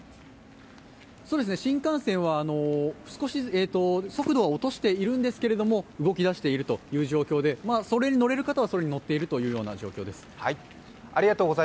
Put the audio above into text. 新幹線は速度を落としてはいるんですけど動きだしているという状況でそれに乗れる方はそれに乗っているという状況です。